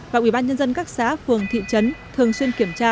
và ubnd các xã phường thị trấn thường xuyên kiểm tra